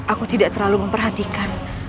aku tidak terlalu memperhatikan